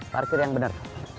parkir yang benar